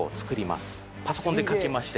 パソコンで描きまして。